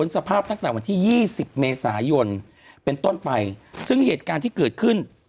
สภาพตั้งแต่วันที่๒๐เมษายนเป็นต้นไปซึ่งเหตุการณ์ที่เกิดขึ้น